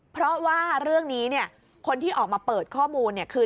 เพราะว่าเรื่องนี้คนที่ออกมาเปิดข้อมูลเนี่ยคือ